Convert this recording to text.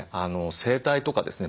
生態とかですね